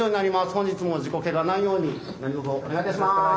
本日も事故ケガないように何とぞお願いいたします。